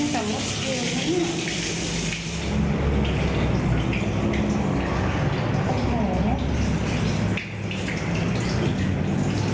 มันนี่เอากุญแจมาล้อมมันนี่อ่ะ